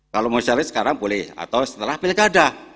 kalau mau cari sekarang boleh atau setelah pilkada